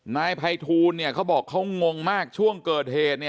นายภัยทูลเขาบอกเขางงมากช่วงเกิดเหตุ